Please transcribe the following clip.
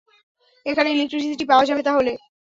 এখানে ইলেক্ট্রিসিটি পাওয়া যাবে তাহলে!